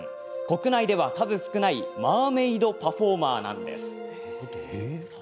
国内では数少ないマーメードパフォーマーなんです。